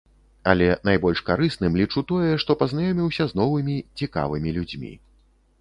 Але найбольш карысным лічу тое, што пазнаёміўся з новымі цікавымі людзьмі.